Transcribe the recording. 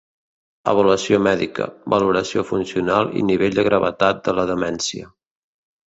Avaluació mèdica, valoració funcional i nivell de gravetat de la demència.